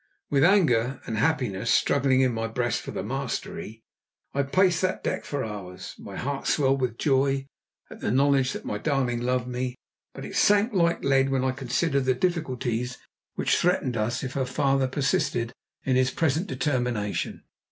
With anger and happiness struggling in my breast for the mastery, I paced that deck for hours. My heart swelled with joy at the knowledge that my darling loved me, but it sank like lead when I considered the difficulties which threatened us if her father persisted in his present determination.